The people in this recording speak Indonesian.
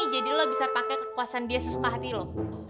jadi lo bisa pakai kekuasaan dia sesuka hati lo